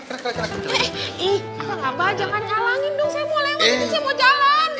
kenapa jangan calangin dong saya mau lewat ini saya mau jalan